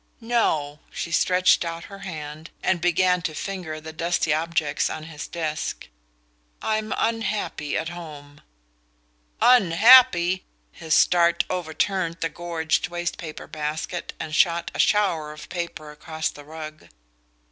"No." She stretched out her hand and began to finger the dusty objects on his desk. "I'm unhappy at home." "Unhappy !" His start overturned the gorged waste paper basket and shot a shower of paper across the rug.